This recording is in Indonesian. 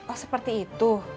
oh seperti itu